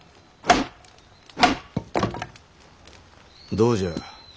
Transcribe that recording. どうじゃ？